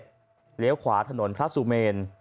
เลี้ยวขวาถนนพระสุเมน